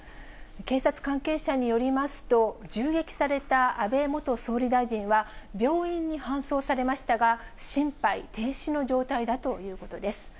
警察関係者によりますと、銃撃された安倍元総理大臣は、病院に搬送されましたが、心肺停止の状態だということです。